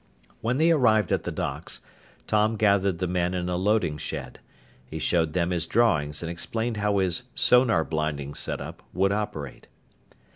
When they arrived at the docks, Tom gathered the men in a loading shed. He showed them his drawings and explained how his "sonar blinding" setup would operate.